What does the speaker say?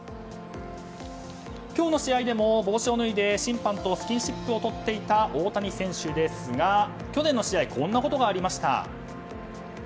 今日の試合でも帽子を脱いで審判とスキンシップをとっていた大谷選手ですが、去年の試合こんなことがありました。